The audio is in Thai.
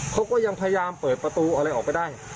เขาก็ยังพยายามเปิดประตูอะไรออกไปได้